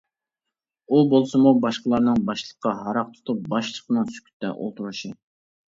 ئۇ بولسىمۇ باشقىلارنىڭ باشلىققا ھاراق تۇتۇپ، باشلىقنىڭ سۈكۈتتە ئولتۇرۇشى.